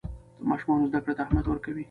د ماشومانو زده کړې ته اهمیت ورکوي.